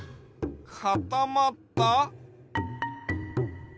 かたまった？